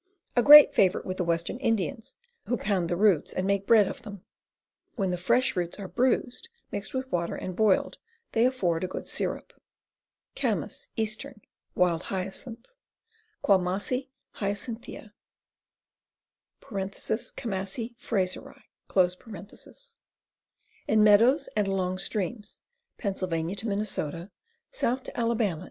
A great favorite with the western Indians, who pound the roots and make bread of them. When the fresh roots are bruised, mixed with water, and boiled, they afford a good syrup. Camass, Eastern. Wild Hyacinth. Quamasia hyacyn thia {Camassia Fraseri). In meadows and along streams. Pa. to Minn., south to Ala.